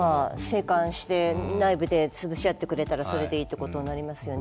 静観して内部で潰し合ってくれればそれでいいってことになりますよね。